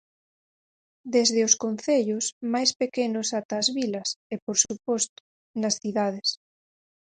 Desde os concellos máis pequenos ata as vilas e, por suposto, nas cidades.